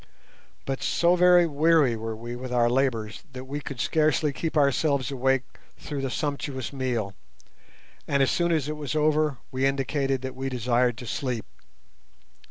But so very weary were we with our labours that we could scarcely keep ourselves awake through the sumptuous meal, and as soon as it was over we indicated that we desired to sleep.